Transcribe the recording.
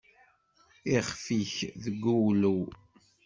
Ixef-ik deg uwlew.